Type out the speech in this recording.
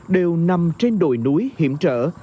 đều nằm trên đồi núi hiểm trở